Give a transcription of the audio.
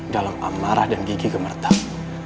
dalam amarah dan gigi gemertas